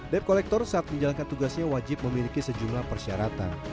dep kolektor saat menjalankan tugasnya wajib memiliki sejumlah persyaratan